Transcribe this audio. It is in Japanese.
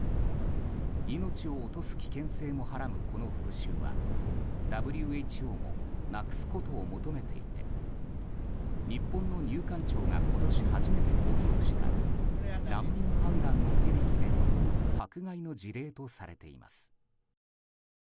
命を落とす危険性もはらむこの風習はＷＨＯもなくすことを求めていて日本の入管庁が今年、初めて公表した難民判断の手引きでも迫害の事例とされています。